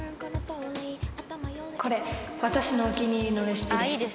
「これ私のお気に入りのレシピです」